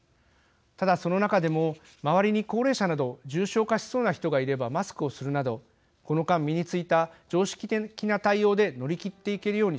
ただ、その中でも周りに高齢者など重症化しそうな人がいればマスクをするなどこの間、身についた常識的な対応で乗り切っていけるように